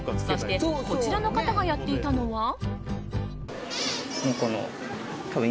そして、こちらの方がやっていたのは。